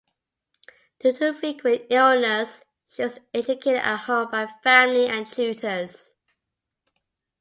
Due to frequent illness, she was educated at home by family and tutors.